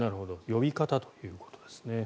呼び方ということですね。